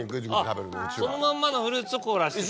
そのまんまのフルーツを凍らせたもの。